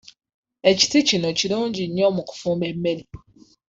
Ekiti kino kirungi nnyo mu kufumba emmere.